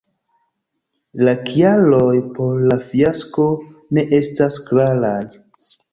La kialoj por la fiasko ne estas klaraj.